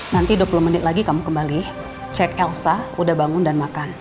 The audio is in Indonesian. nanti dua puluh menit lagi kamu kembali cek elsa udah bangun dan makan